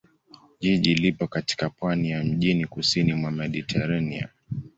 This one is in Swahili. Jiji lipo katika pwani ya mjini kusini mwa Mediteranea.